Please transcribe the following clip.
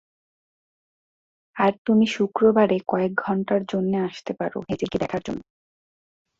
আর তুমি শুক্রবারে কয়েক ঘন্টার জন্যে আসতে পারো, হ্যাজেলকে দেখার জন্যে।